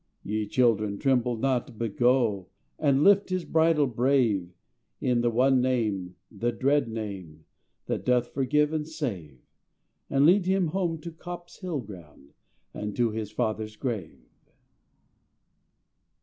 Ye children, tremble not, but go And lift his bridle brave In the one Name, the dread Name, That doth forgive and save, And lead him home to Copp's Hill ground, And to his fathers' grave.